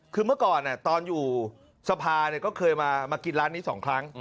คือเมื่อก่อนตอนอยู่สภาก็เคยมากินร้านนี้๒ครั้ง